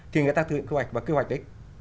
thì người ta thực hiện quy hoạch và quy hoạch đấy